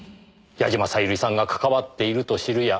矢嶋小百合さんが関わっていると知るや。